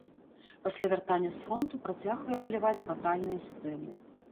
Пасля вяртання з фронту працягвае маляваць батальныя сцэны.